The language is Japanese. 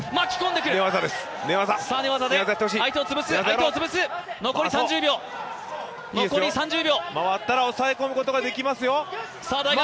いいですよ、回ったら抑え込むことができますよ。